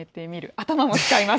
頭も使います。